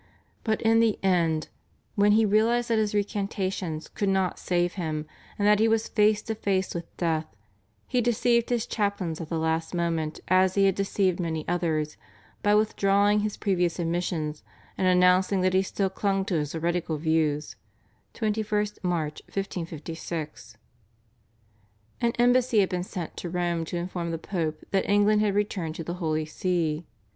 But in the end, when he realised that his recantations could not save him and that he was face to face with death, he deceived his chaplains at the last moment as he had deceived many others, by withdrawing his previous admissions and announcing that he still clung to his heretical views (21st March 1556). An embassy had been sent to Rome to inform the Pope that England had returned to the Holy See.